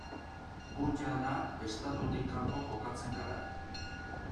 Gu jada estatutik kanpo kokatzen gara.